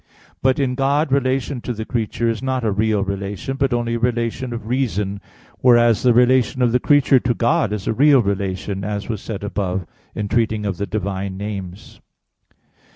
But in God relation to the creature is not a real relation, but only a relation of reason; whereas the relation of the creature to God is a real relation, as was said above (Q. 13, A. 7) in treating of the divine names.